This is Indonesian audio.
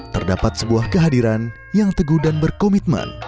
terdapat sebuah kehadiran yang teguh dan berkomitmen